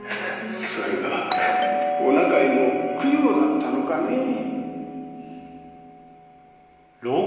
それがおなかへの供養だったのかねえ。